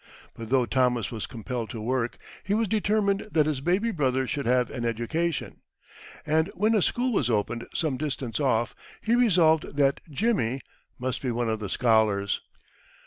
But though Thomas was compelled to work, he was determined that his baby brother should have an education. And when a school was opened some distance off, he resolved that "Jimmy" must be one of the scholars.